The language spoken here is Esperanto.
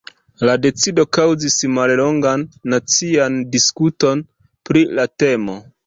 La decido kaŭzis mallongan nacian diskuton pri la temo.